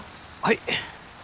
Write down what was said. はい。